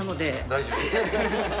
大丈夫？